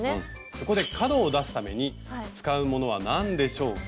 そこで角を出すために使うものは何でしょうか？